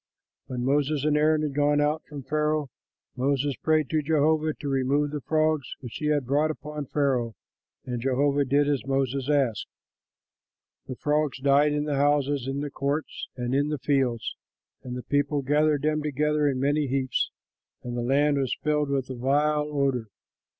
When Moses and Aaron had gone out from Pharaoh, Moses prayed to Jehovah to remove the frogs which he had brought upon Pharaoh; and Jehovah did as Moses asked. The frogs died in the houses, in the courts, and in the fields, and the people gathered them together in many heaps; and the land was filled with a vile odor.